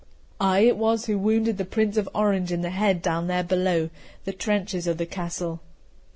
I it was who wounded the Prince of Orange in the head down there below the trenches of the castle.